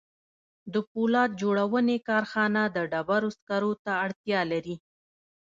د پولاد جوړونې کارخانه د ډبرو سکارو ته اړتیا لري